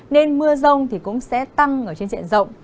nên mưa rong cũng sẽ tăng trên diện rộng